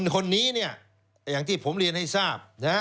คนนี้เนี่ยอย่างที่ผมเรียนให้ทราบ